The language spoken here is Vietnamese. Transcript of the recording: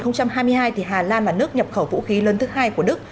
năm hai nghìn hai mươi hai hà lan là nước nhập khẩu vũ khí lớn thứ hai của đức